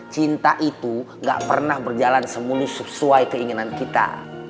cinta itu gak pernah berjalan semulus sesuai keinginan kita